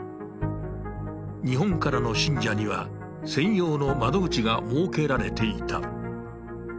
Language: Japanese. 日本からの信者には専用の窓口が設けられていた。